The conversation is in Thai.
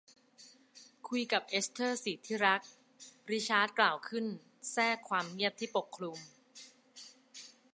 คุยกับเอสเธอร์สิที่รัก ริชาร์ดกล่าวขึ้นแทรกความเงียบที่ปกคลุม